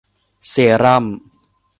เซรั่ม